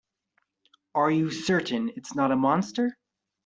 Are you certain it's not a monster?